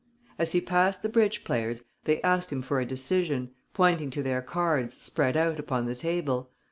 As he passed the bridge players, they asked him for a decision, pointing to their cards spread out upon the table.